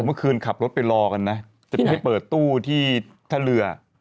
เมื่อคืนขับรถไปรอกันนะจะไปให้เปิดตู้ที่ท่าเรือ